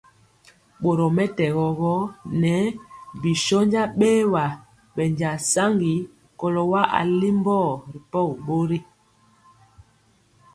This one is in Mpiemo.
Borɔ mɛtɛgɔ gɔ, ŋɛɛ bi shónja bɛɛwa bɛnja saŋgi kɔlo wa alimbɔ ripɔgi bori.